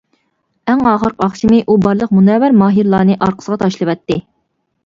ئەڭ ئاخىرقى ئاخشىمى ئۇ بارلىق مۇنەۋۋەر ماھىرلارنى ئارقىسىغا تاشلىۋەتتى.